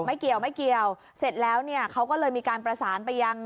ไม่เกี่ยวไม่เกี่ยวเสร็จแล้วเนี่ยเขาก็เลยมีการประสานไปยัง